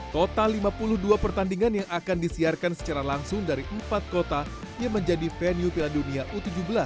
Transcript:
total lima puluh dua pertandingan yang akan disiarkan secara langsung dari empat kota yang menjadi venue piala dunia u tujuh belas